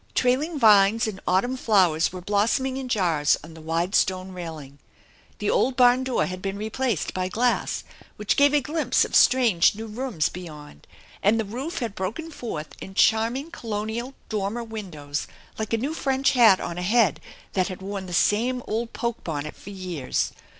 Trailing vines and autumn flowers were blossoming in jars on the wide stone railing. The old barn door had been replaced by glass which gave a glimpse of strange new rooms beyond, and the roof had broken forth in charming colonial dormer windows like a new French hat on a head that had worn the same old poke bonnet for years.